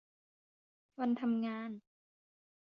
วันทำงาน